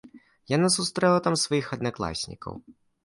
Яна сустрэла там сваіх аднакласнікаў.